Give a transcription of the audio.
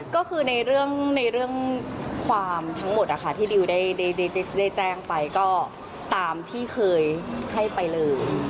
ก็คือในเรื่องความทั้งหมดที่ดิวได้แจ้งไปก็ตามที่เคยให้ไปเลย